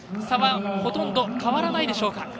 差はほとんど変わらないでしょうか。